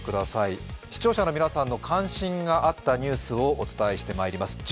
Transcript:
視聴者の皆さんの関心があったニュースをお伝えしてまいります。